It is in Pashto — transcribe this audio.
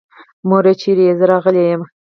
مورې چېرې يې؟ زه راغلی يم.